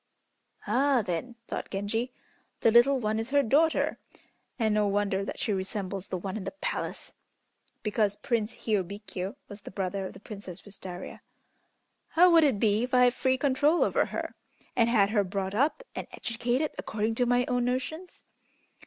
'" "Ah, then," thought Genji, "the little one is her daughter, and no wonder that she resembles the one in the palace (because Prince Hiôbkiô was the brother of the Princess Wistaria). How would it be if I had free control over her, and had her brought up and educated according to my own notions?"